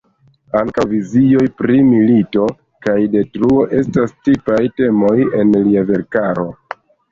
Ankaŭ vizioj pri milito kaj detruo estas tipaj temoj en lia verkaro.